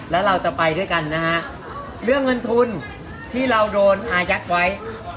แล้วเราจะไปด้วยกันนะฮะเรื่องเงินทุนที่เราโดนอายัดไว้